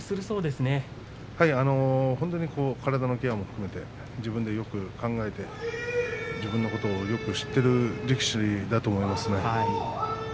そうですね体のケアも含めて自分でよく考えて自分のことをよく知っている力士だと思いますね。